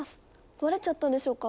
壊れちゃったんでしょうか？